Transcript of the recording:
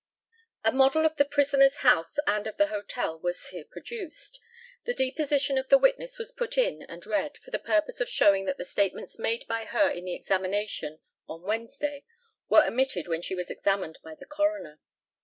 A model of the prisoner's house and of the hotel was here produced. The deposition of the witness was put in and read, for the purpose of showing that the statements made by her in her examination on Wednesday were omitted when she was examined by the coroner.